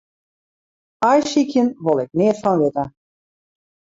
Aaisykjen wol ik neat fan witte.